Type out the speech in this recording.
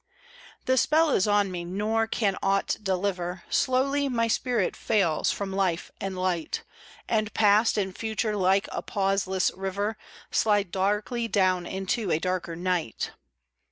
The spell is on me, nor can aught deliver; Slowly my spirit fails from life and light, And Past and Future like a pauseless river, Slide darkly down into a darker night.